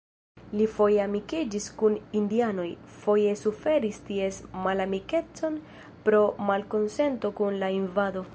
Li foje amikiĝis kun indianoj, foje suferis ties malamikecon pro malkonsento kun la invado.